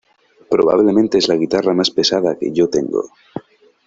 Probablemente es la guitarra más pesada que yo tengo.